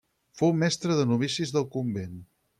Fou mestre de novicis del convent.